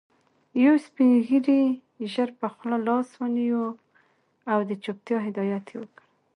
يو سپين ږيري ژر پر خوله لاس ونيو او د چوپتيا هدایت يې وکړ.